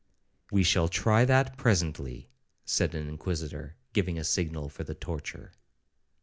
'We shall try that presently,' said an Inquisitor, giving a signal for the torture.